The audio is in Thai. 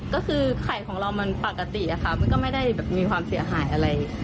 ก็คือไข่ของเรามันปกติอะค่ะมันก็ไม่ได้แบบมีความเสียหายอะไร